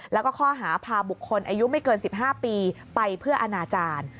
แล้วก็ข้อหาพาบุคคลอายุไม่เกิน๑๕ปีไปเพื่ออนาจารย์